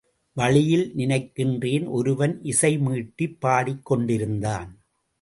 வழியில் நினைக்கிறேன் ஒருவன் இசைமீட்டிப் பாடிக்கொண்டிருந்தான்.